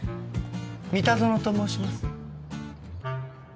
三田園と申します。